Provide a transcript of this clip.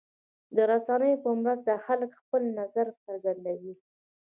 د رسنیو په مرسته خلک خپل نظر څرګندوي.